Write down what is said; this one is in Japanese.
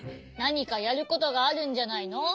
なにかやることがあるんじゃないの？